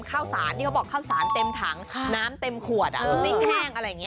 ข้าวสารที่เขาบอกข้าวสารเต็มถังน้ำเต็มขวดพริกแห้งอะไรอย่างนี้